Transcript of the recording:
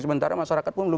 sementara masyarakat memilih